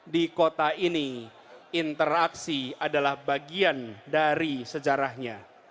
di kota ini interaksi adalah bagian dari sejarahnya